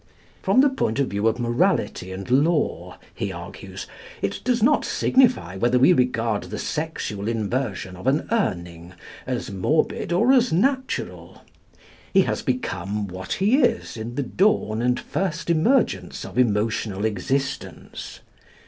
From the point of view of morality and law, he argues, it does not signify whether we regard the sexual inversion of an Urning as morbid or as natural. He has become what he is in the dawn and first emergence of emotional existence.